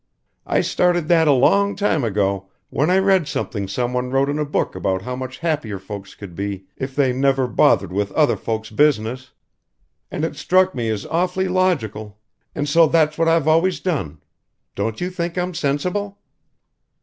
I started that a long time ago when I read something some one wrote in a book about how much happier folks could be if they never bothered with other folk's business and it struck me as awfully logical. And so that's what I've always done. Don't you think I'm sensible?"